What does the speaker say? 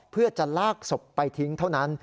เพื่อจะลากศพไปทิ้งเท่านั้น